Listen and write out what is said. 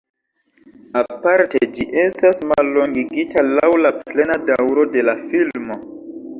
Aparte ĝi estas mallongigita laŭ la plena daŭro de la filmo.